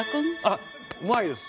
あっうまいです。